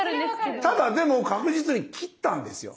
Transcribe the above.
ただでも確実に切ったんですよ！